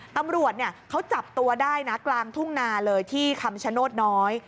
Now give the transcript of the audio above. ตำรวจเขาจับตัวได้นะกลางทุ่งนาเลยที่คำชโนธน้อย